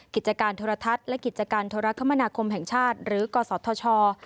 กิจการโทรทัศน์และกิจการโทรคมนาคมแห่งชาติหรือกศธช